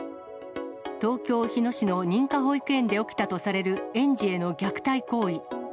東京・日野市の認可保育園で起きたとされる、園児への虐待行為。